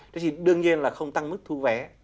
thế thì đương nhiên là không tăng mức thu vé